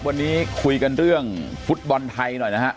วันนี้คุยกันเรื่องฟุตบอลไทยหน่อยนะฮะ